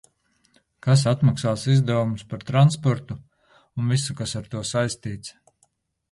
Kas atmaksās izdevumus par transportu un visu, kas ar to saistīts?